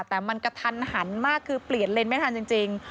แต่มันกระทันหันมากคือเปลี่ยนเลนส์ไม่ทันจริง